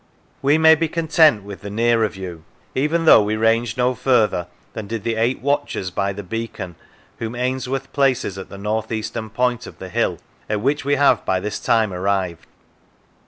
We may be content with the nearer view, even though we range no further than did the eight watchers by the beacon whom Ainsworth places at the north eastern point of the hill, at which we have by this time arrived.